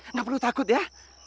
nggak perlu takut ya